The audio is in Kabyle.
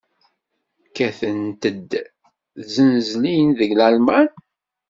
Kkatent-d tzenzlin deg Lalman?